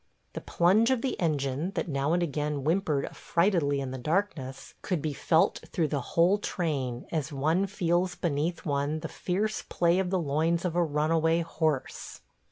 The plunge of the engine, that now and again whimpered affrightedly in the darkness, could be felt through the whole train, as one feels beneath one the fierce play of the loins of a runaway horse.